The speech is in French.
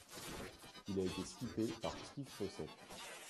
Il a été skippé par Steve Fossett.